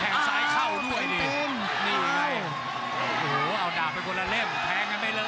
แทงซ้ายเข้าด้วยดีเอาเต็มเต็มนี่ไงโอ้โหเอาดาบไปบนระเล่มแพงกันไปเลย